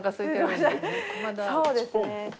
そうですね。